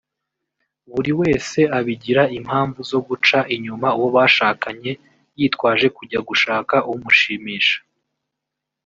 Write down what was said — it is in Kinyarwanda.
buri wese abigira impamvu zo guca inyuma uwo bashakanye yitwaje kujya gushaka umushimisha